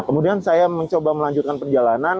kemudian saya mencoba melanjutkan perjalanan